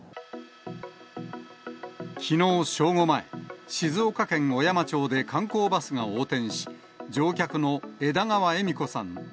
きのう正午前、静岡県小山町で観光バスが横転し、乗客の枝川恵美子さん